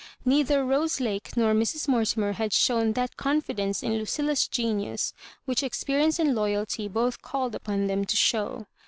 Neither Rose Lake nor Mrs. Mortimer had shown that confidence in LuciUa^s genius which experience and loyalty both called upon them to show.